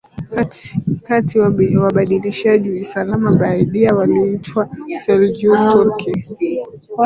Kati walibadilisha Uislamu Baadaye waliitwa Seljuq Turks